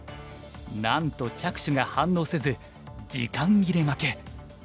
なんと着手が反応せず時間切れ負け。